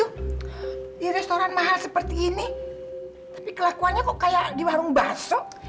di restoran mahal seperti ini tapi kelakuannya kok kayak di warung bakso